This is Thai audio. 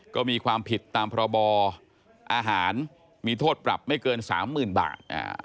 ก็มีความผิดตามพระบออาหารมีโทษปรับไม่เกินสามหมื่นบาทอ่า